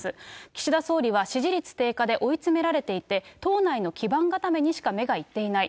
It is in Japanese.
岸田総理は、支持率低下で追い詰められていて、党内の基盤固めにしか目が行っていない。